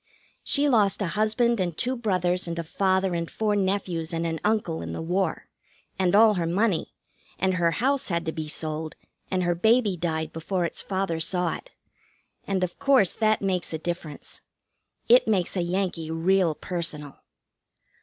She lost a husband and two brothers and a father and four nephews and an uncle in the war; and all her money; and her house had to be sold; and her baby died before its father saw it; and, of course, that makes a difference. It makes a Yankee real personal.